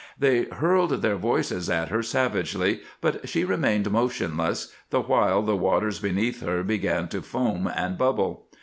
They hurled their voices at her savagely, but she remained motionless, the while the waters beneath her began to foam and bubble.